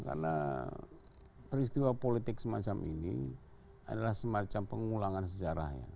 karena peristiwa politik semacam ini adalah semacam pengulangan sejarahnya